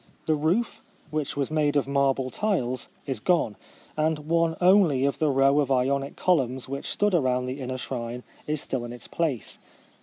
The roof, which was made of marble tiles, is gone ; and one only of the row of Ionic columns which stood around the inner shrine is still in its place.